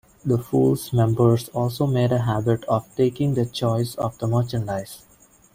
The Fool's members also made a habit of taking their choice of the merchandise.